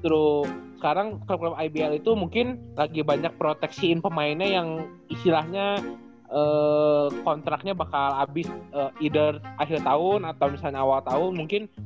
terus sekarang klub klub ibl itu mungkin lagi banyak proteksiin pemainnya yang istilahnya kontraknya bakal habis either akhir tahun atau misalnya awal tahun mungkin